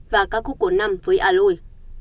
và ca khúc của năm với aloy